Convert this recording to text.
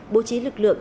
bố trí lực lượng